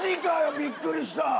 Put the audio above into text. びっくりした。